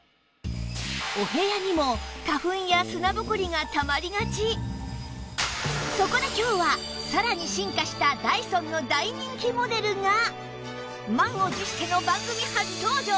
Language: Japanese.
お部屋にもそこで今日はさらに進化したダイソンの大人気モデルが満を持しての番組初登場！